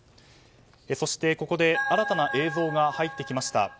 そしてここで新たな映像が入ってきました。